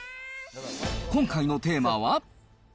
今回のテーマは。